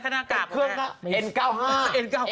หน้ากากไงแกะหน้ากาก